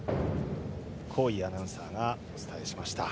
厚井アナウンサーがお伝えしました。